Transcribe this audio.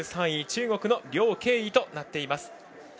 ３位、中国の梁景怡となっています。